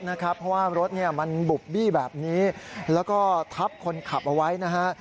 เพราะว่ารถมันบุบบี้แบบนี้แล้วก็ทับคนขับเอาไว้นะฮะ